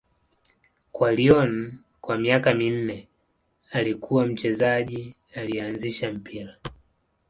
Kwa Lyon kwa miaka minne, alikuwa mchezaji aliyeanzisha mpira.